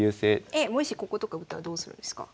えっもしこことか打ったらどうするんですか？